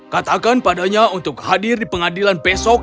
katakan padanya untuk hadir di pengadilan besok